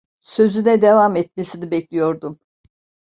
Sözüne devam etmesini bekliyordum.